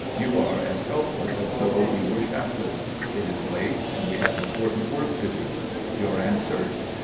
You are as helpless as though you were shackled. It is late and we have important work to do. Your answer?"